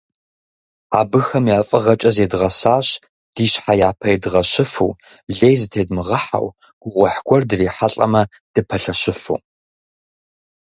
Абыхэм я фӀыгъэкӀэ зедгъэсащ ди щхьэ япэ идгъэщыфу, лей зытедмыгъэхьэу, гугъуехь гуэр дрихьэлӀамэ, дыпэлъэщыфу.